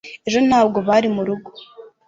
ejo ntabwo bari murugo